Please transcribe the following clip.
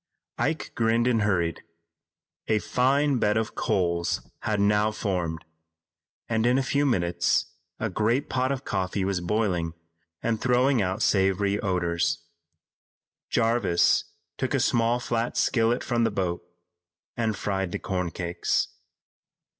Ike grinned and hurried. A fine bed of coals had now formed, and in a few minutes a great pot of coffee was boiling and throwing out savory odors. Jarvis took a small flat skillet from the boat and fried the corn cakes.